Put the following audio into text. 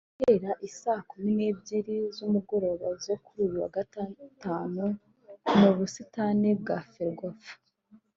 Guhera i Saa kumi n’ebyiri z’umugoroba zo kuri uyu wa Gatanu mu busitani bwa Ferwafa